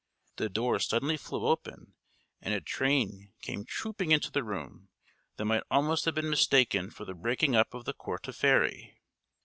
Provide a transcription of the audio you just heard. The door suddenly flew open, and a train came trooping into the room, that might almost have been mistaken for the breaking up of the court of Fairy.